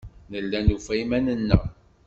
Nella nufa iman-nneɣ.